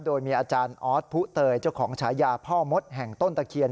โดยมีอาจารย์ออสผู้เตยเจ้าของฉายาพ่อมดแห่งต้นตะเคียน